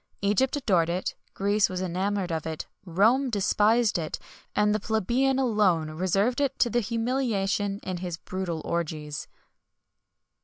Egypt adored it, Greece was enamoured of it, Rome despised it, and the plebeian alone reserved it to the humiliation in his brutal orgies.